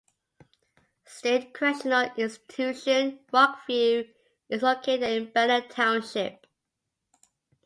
State Correctional Institution - Rockview is located in Benner Township.